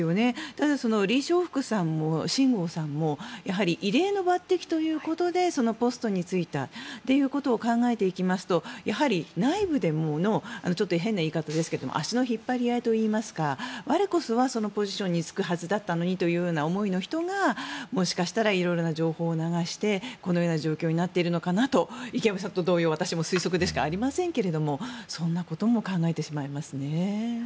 ただ、リ・ショウフクさんも秦剛さんもやはり異例の抜てきということでそのポストに就いたということを考えていきますとやはり内部での足の引っ張り合いといいますか我こそはそのポジションに就くはずだったのにという人がもしかしたら色々な情報を流してこのような状況になっているのかなと池上さんと同様私も推測でしかありませんがそんなことを考えてしまいますね。